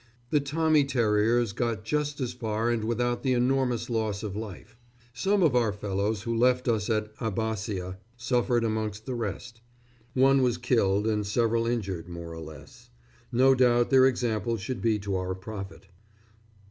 The Tommy Terriers got just as far and without the enormous loss of life. Some of our fellows who left us at Abbasia suffered amongst the rest: one was killed and several injured more or less. No doubt their example should be to our profit.